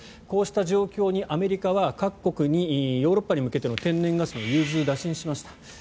こうした状況にアメリカは各国にヨーロッパに向けての天然ガスの融通を打診しました。